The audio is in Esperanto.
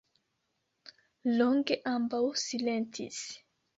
Longe ambaŭ silentis.